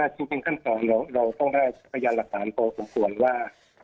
จริงขั้นตอนเราต้องได้พยานหลักฐานตัวส่วนว่า